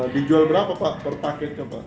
dijual berapa pak per paketnya pak